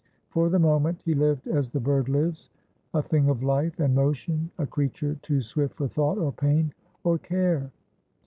For the moment he lived as the bird lives — a thing of life and motion, a creature too swift for thought or pain or care.